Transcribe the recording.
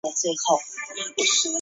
松前线。